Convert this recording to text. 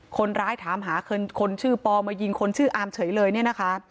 คนร้ายถามหาคนชื่อปอมายิงคนชื่ออามเฉยเลยเนี่ยนะคะ